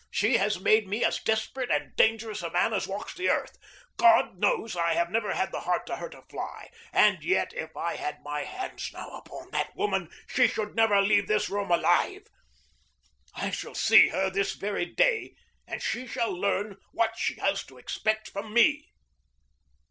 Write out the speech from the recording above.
She has made me as desperate and dangerous a man as walks the earth. God knows I have never had the heart to hurt a fly, and yet, if I had my hands now upon that woman, she should never leave this room alive. I shall see her this very day, and she shall learn what she has to expect from me.